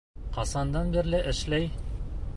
Ҡасандан бирле эшләй?